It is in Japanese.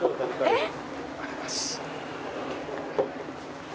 「えっ？」